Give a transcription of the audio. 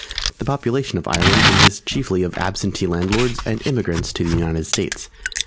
The population of Ireland consists chiefly of Absentee landlords and Emigrants to the United States.